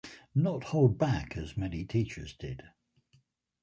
Not hold back, as many teachers did.